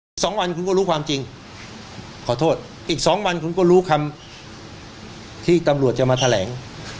อีกสองวันคุณก็รู้ความจริงขอโทษอีกสองวันคุณก็รู้คำที่ตำรวจจะมาแถลง